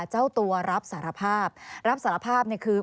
เจ้าตัวรับสารภาพรับสารภาพเนี่ยคือ